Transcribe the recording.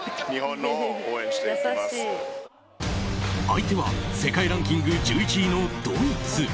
相手は世界ランキング１１位のドイツ。